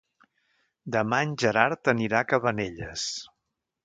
Demà en Gerard anirà a Cabanelles.